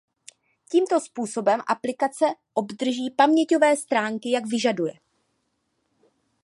Tímto způsobem aplikace obdrží paměťové stránky jak vyžaduje.